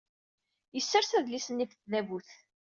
Yessers adlis-nni ɣef tdabut.